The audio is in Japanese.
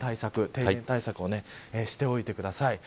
停電対策をしておいてください。